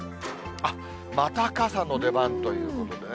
あっ、また傘の出番ということでね。